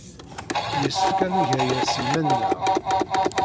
Yessefk ad neg aya s yiman-nneɣ.